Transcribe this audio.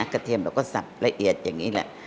เทียมเราก็สับละเอียดอย่างนี้แหละ